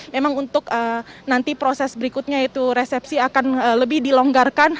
memang untuk nanti proses berikutnya yaitu resepsi akan lebih dilonggarkan